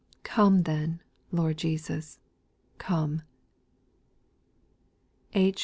Come then. Lord Jesus, come I H.